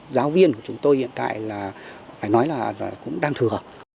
giáo viên của chúng tôi hiện tại là phải nói là cũng đang thừa